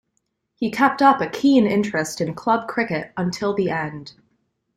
He kept up a keen interest in club cricket until the end.